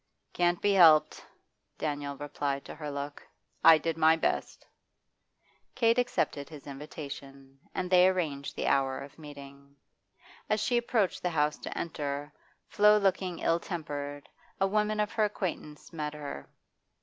'Can't be helped,' Daniel replied to her look. 'I did my best' Kate accepted his invitation, and they arranged the hour of meeting. As she approached the house to enter, flow looking ill tempered, a woman of her acquaintance met her.